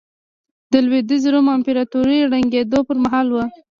د لوېدیځ روم امپراتورۍ ړنګېدو پرمهال وه.